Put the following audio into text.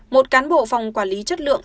một cán bộ phòng quản lý chất lượng